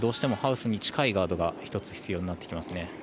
ハウスに近いガードが１つ必要になってきますね。